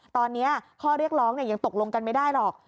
ตอนนี้ข้อเรียกร้องยังตกลงกันไม่ได้หรอก